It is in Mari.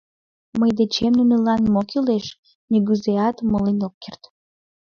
Мый дечем нунылан мо кӱлеш, нигузеат умылен ок керт.